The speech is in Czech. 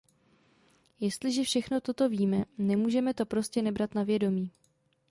Jestliže všechno toto víme, nemůžeme to prostě nebrat na vědomí.